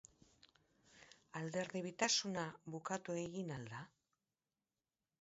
Alderdi-bitasuna bukatu egin al da?